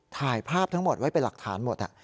ถ่ายภาพทั้งหมดไว้เป็นหลักฐานหมด